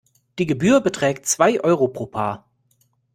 Die Gebühr beträgt zwei Euro pro Paar.